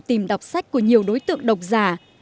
tìm đọc sách của nhiều đối tượng độc giả